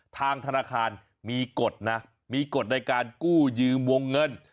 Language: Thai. ทางธนาคารมีกฎนะมีกฎในการกู้ยืมวงเงิน